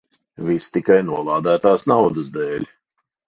Viss tikai nolādētās naudas dēļ.